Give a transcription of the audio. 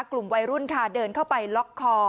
กลุ่มวัยรุ่นค่ะเดินเข้าไปล็อกคอ